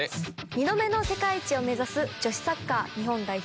２度目の世界一を目指す女子サッカー日本代表